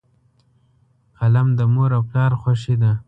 قلم د مور او پلار خوښي ده.